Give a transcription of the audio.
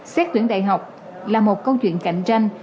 xét tuyển đại học là một câu chuyện cạnh tranh